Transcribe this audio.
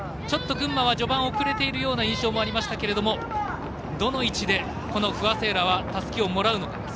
ちょっと群馬は序盤遅れているような印象もありましたけれどもどの位置で不破聖衣来はたすきをもらうのか。